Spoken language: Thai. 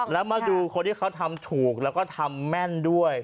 แล้วมาดูคนที่เขาทำถูกแล้วก็ทำแม่นด้วย